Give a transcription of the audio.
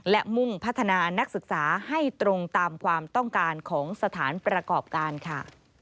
และมุ่งพัฒนานักศึกษาให้ตรงตามความต้องการของสถานประกอบการค่ะ